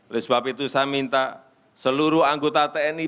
oleh sebab itu saya minta seluruh anggota tni